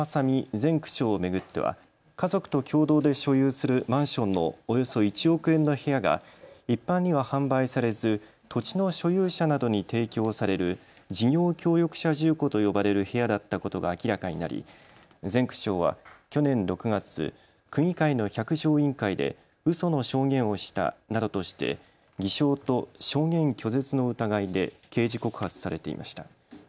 前区長を巡っては家族と共同で所有するマンションのおよそ１億円の部屋が一般には販売されず土地の所有者などに提供される事業協力者住戸と呼ばれる部屋だったことが明らかになり前区長は去年６月、区議会の百条委員会でうその証言をしたなどとして偽証と証言拒絶の疑いで刑事告発されていました。